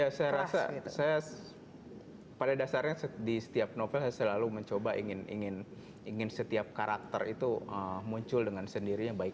ya saya rasa saya pada dasarnya di setiap novel saya selalu mencoba ingin setiap karakter itu muncul dengan sendirinya